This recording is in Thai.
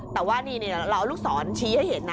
แต่ว่านี่เราเอาลูกศรชี้ให้เห็นนะ